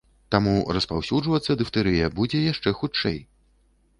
Таму распаўсюджвацца дыфтэрыя будзе яшчэ хутчэй.